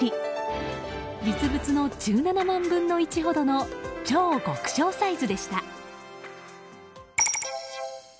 実物の１７万分の１ほどの超極小サイズでした。